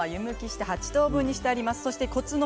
トマトは湯むきして８等分してあります。